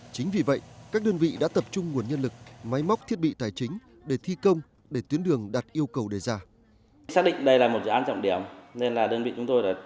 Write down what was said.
chính vì vậy các đơn vị đã tập trung nguồn nhân lực máy móc thiết bị tài chính để thi công để tuyến đường đạt yêu cầu đề ra